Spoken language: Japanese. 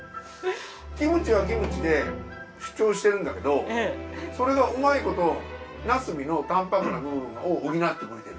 キムチはキムチで主張してるんだけどそれがうまいことなすびの淡泊な部分を補ってくれている。